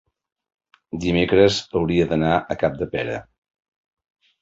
Dimecres hauria d'anar a Capdepera.